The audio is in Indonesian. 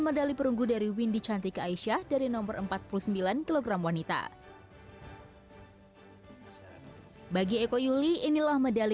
medali perunggu dari windy cantik aisyah dari nomor empat puluh sembilan kg wanita bagi eko yuli inilah medali